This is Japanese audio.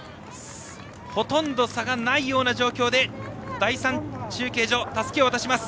ほとんど差がないような状況で第３中継所でたすきを渡します。